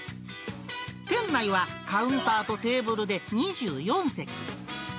店内はカウンターとテーブルで２４席。